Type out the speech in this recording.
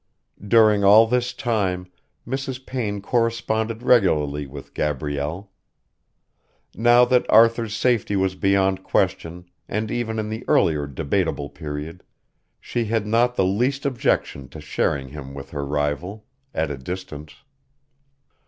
During all this time Mrs. Payne corresponded regularly with Gabrielle. Now that Arthur's safety was beyond question and even in the earlier debatable period, she had not the least objection to sharing him with her rival ... at a distance.